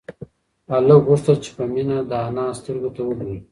هلک غوښتل چې په مينه د انا سترگو ته وگوري.